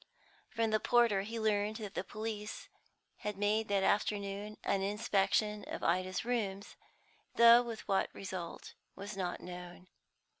From the porter he learned that the police had made that afternoon an inspection of Ida's rooms, though with what result was not known.